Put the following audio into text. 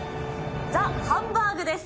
ザ・ハンバーグです。